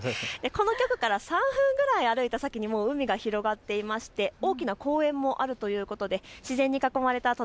この局から３分くらい歩いた先にも海が広がっていまして大きな公園もあるということで自然に囲まれた